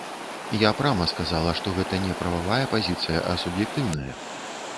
Я прама сказала, што гэта не прававая пазіцыя, а суб'ектыўная.